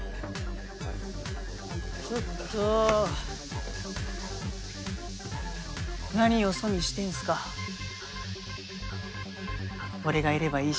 はいちょっとなによそ見してんすか俺がいればいい